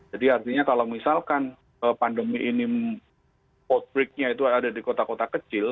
jadi artinya kalau misalkan pandemi ini outbreak nya itu ada di kota kota kecil